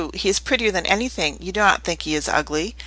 He is prettier than anything. You do not think he is ugly.